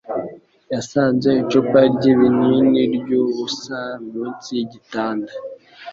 yasanze icupa ryibinini ryubusa munsi yigitanda.